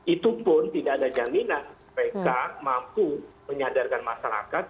itu pun tidak ada jaminan mereka mampu menyadarkan masyarakat